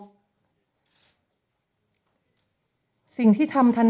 เกี่ยวกับพวกเรา